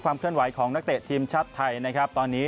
เคลื่อนไหวของนักเตะทีมชาติไทยนะครับตอนนี้